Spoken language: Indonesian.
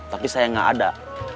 tapi saya gak ada